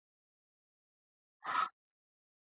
აკაკი წერეთლის მუზეუმსი ძალიან ბევრი ნივთებია შენახული